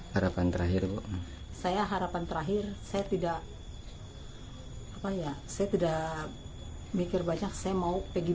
harapan terakhir saya harapan terakhir saya tidak apa ya saya tidak mikir banyak saya mau pergi